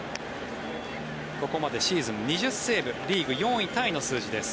ここまでシーズン２０セーブリーグ４位タイの成績です。